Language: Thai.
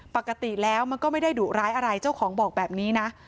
ปกติแล้วมันก็ไม่ได้ดุร้ายอะไรเจ้าของบอกแบบนี้นะ